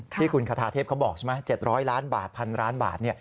ที่คุณคาทาเทพเขาบอกใช่ไหม๗๐๐ล้านบาท๑๐๐ล้านบาท